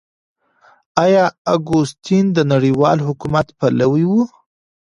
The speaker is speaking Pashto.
آيا اګوستين د نړيوال حکومت پلوي و؟